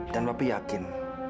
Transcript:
dan papi yakin